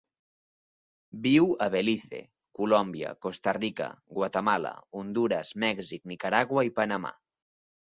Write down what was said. Viu a Belize, Colòmbia, Costa Rica, Guatemala, Hondures, Mèxic, Nicaragua i Panamà.